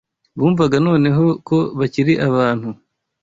bumvaga noneho ko bakiri abantu,